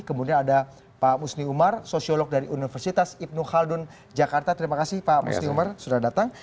kemudian ada pak musni umar sosiolog dari universitas ibn haldun jakarta terima kasih pak musni umar sudah datang